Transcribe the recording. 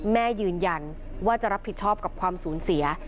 แม่ยืนยันว่าจะรับผิดชอบกับความสูญเสีย